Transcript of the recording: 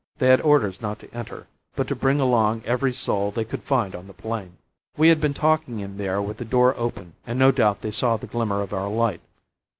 They had orders not to enter, but to bring along every soul they could find on the plain. We had been talking in there with the door open, and no doubt they saw the glimmer of our light.